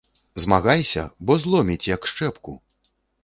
Змагайся, бо зломіць, як шчэпку.